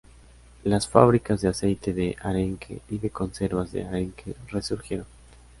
Las fábricas de aceite de arenque y de conservas de arenque resurgieron.